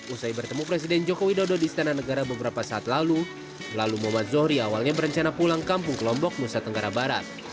usai bertemu presiden joko widodo di istana negara beberapa saat lalu lalu muhammad zohri awalnya berencana pulang kampung lombok nusa tenggara barat